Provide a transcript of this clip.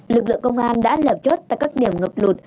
lực lượng công an đã lập chốt tại các điểm ngập lụt